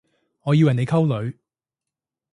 我以為你溝女